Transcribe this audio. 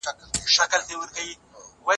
د تېر تاریخ پانګه باید حرامه ونه بلل سي.